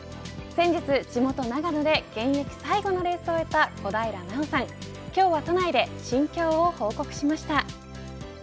先日、地元長野で、現役最後のレースを終えた小平奈緒さん今日は都内で心境を報告しました。